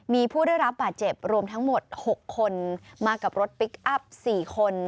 มีผู้ได้รับบาดเจ็บรวมทั้งหมด๖คนมากับรถพลิกอัพ๔คน